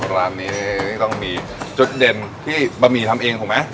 ร้านนี้ต้องมีจุดเด่นที่บะหมี่ทำเองถูกไหม